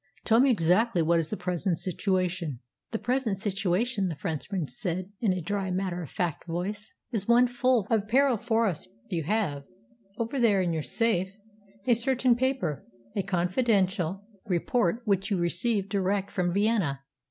Tell me exactly what is the present situation." "The present situation," the Frenchman said in a dry, matter of fact voice, "is one full of peril for us. You have, over there in your safe, a certain paper a confidential report which you received direct from Vienna.